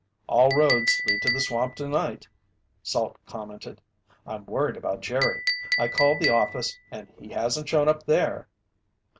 "All roads lead to the swamp tonight," Salt commented. "I'm worried about Jerry. I called the office and he hasn't shown up there."